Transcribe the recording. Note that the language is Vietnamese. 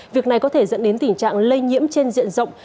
việc này có thể dẫn đến tình trạng lây nhiễm trên diện rộng